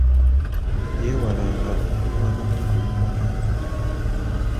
Yeewalanga okulwana n'okuyomba n'abantu.